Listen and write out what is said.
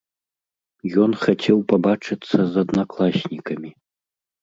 Ён хацеў пабачыцца з аднакласнікам.